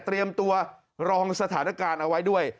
เตรียมตัวรองสถานการณ์เอาไว้ด้วย